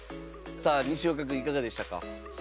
さあ西岡くんいかがでしたか。